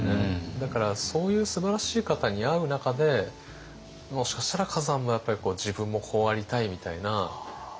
だからそういうすばらしい方に会う中でもしかしたら崋山もやっぱり自分もこうありたいみたいな像があったのかもしれませんね。